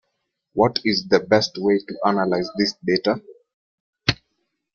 What is the best way to analyze this data?